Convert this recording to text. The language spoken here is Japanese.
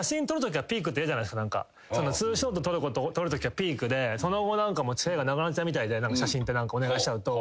２ショット撮るときがピークでその後付き合いがなくなっちゃうみたいで写真ってお願いしちゃうと。